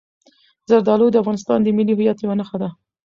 زردالو د افغانستان د ملي هویت یوه نښه ده.